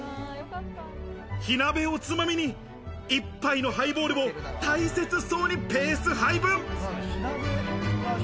火鍋をおつまみに１杯のハイボールを大切そうにペース配分。